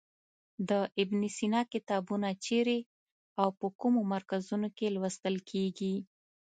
د ابن سینا کتابونه چیرې او په کومو مرکزونو کې لوستل کیږي.